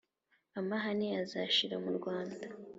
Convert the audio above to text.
amahane azashira mu rwanda,